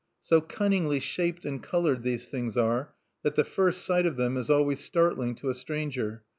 So cunningly shaped and colored these things are that the first sight of them is always startling to a stranger.